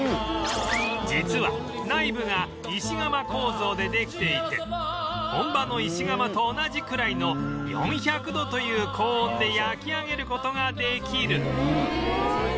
実は内部が石窯構造でできていて本場の石窯と同じくらいの４００度という高温で焼き上げる事ができる